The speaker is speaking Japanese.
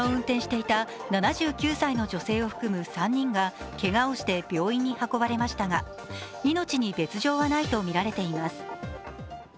事故を起こした車を運転していた７９歳の女性を含む３人がけがをして病院に運ばれましたが命に別条はないとみられています。